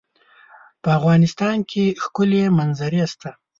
په افغانستان کې ښکلي منظرې شته.